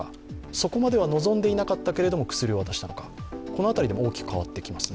そこまでは望んでいなかったけど、薬を渡したのか、その辺りで大きく違ってきますね。